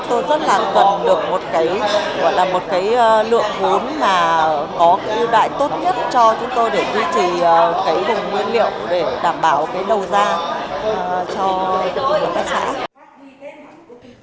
tôi rất là cần được một lượng hốn có ưu đại tốt nhất cho chúng tôi để duy trì vùng nguyên liệu để đảm bảo đầu ra cho các sản phẩm